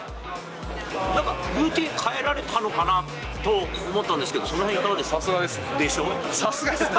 なんかルーティン変えられたのかなと思ったんですけど、そのへんいかがですか。